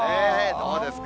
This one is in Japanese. どうですか？